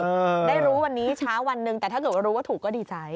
ได้รู้วันนี้เช้าวันหนึ่งแต่ถ้าเกิดว่ารู้ว่าถูกก็ดีใจ